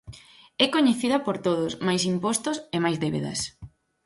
É coñecida por todos: máis impostos e máis débedas.